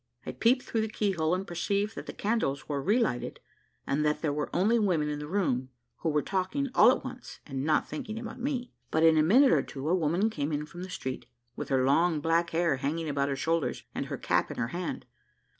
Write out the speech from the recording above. I peeped through the key hole, and perceived that the candles were re lighted, and that there were only women in the room, who were talking all at once, and not thinking about me. But in a minute or two, a women came in from the street, with her long black hair hanging about her shoulders, and her cap in her hand.